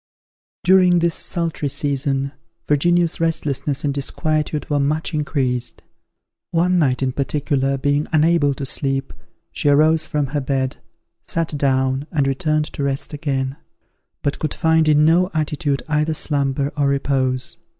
During this sultry season, Virginia's restlessness and disquietude were much increased. One night, in particular, being unable to sleep, she arose from her bed, sat down, and returned to rest again; but could find in no attitude either slumber or repose.